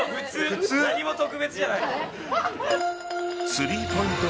スリーポイント